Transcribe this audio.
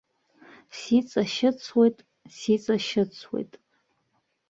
Сиҵашьыцуеит, сиҵашьыцуеит.